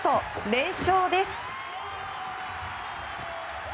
連勝です！